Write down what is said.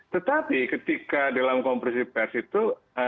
tetapi ketika dalam kompresi pers itu